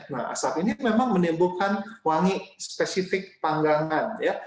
nah asap ini memang menimbulkan wangi spesifik panggangan ya